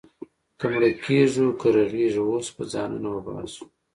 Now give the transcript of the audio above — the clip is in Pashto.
که مړه کېږو، که رغېږو، اوس به ځانونه وباسو.